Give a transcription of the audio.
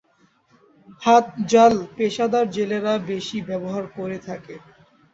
হাত জাল পেশাদার জেলেরা বেশি ব্যবহার করে থাকে।